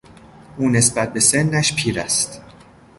او نسبت به سنش پیر است.